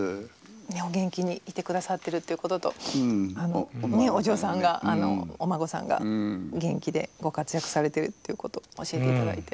お元気にいて下さってるっていうこととお嬢さんがお孫さんが元気でご活躍されているっていうことを教えて頂いて。